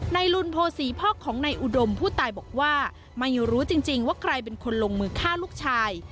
ลุนโภษีพ่อของนายอุดมผู้ตายบอกว่าไม่รู้จริงว่าใครเป็นคนลงมือฆ่าลูกชาย